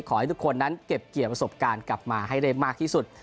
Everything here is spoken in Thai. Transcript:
ขอให้ทุกคนนั้นเก็บเกี่ยวประสบการณ์กลับมาให้ได้มากที่สุด